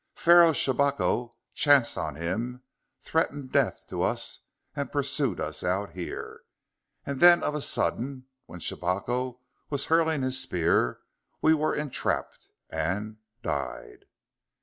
Pharaoh Shabako chanced on him, threatened death to us and pursued us out here. And then of a sudden, when Shabako was hurling his spear, we were entrapped ... and died...."